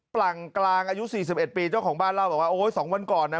หลังกลางอายุ๔๑ปีเจ้าของบ้านเล่าบอกว่าโอ้ยสองวันก่อนนะ